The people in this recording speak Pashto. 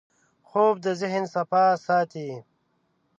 خوب د ذهن صفا ساتي